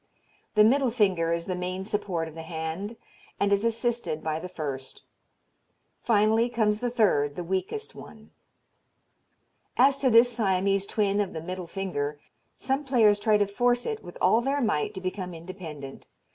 The middle finger is the main support of the hand, and is assisted by the first. Finally comes the third, the weakest one. As to this Siamese twin of the middle finger, some players try to force it with all their might to become independent.